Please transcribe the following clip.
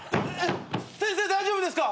先生大丈夫ですか？